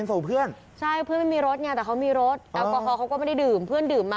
โอ้โฮไปเตาเวรส่งเพื่อน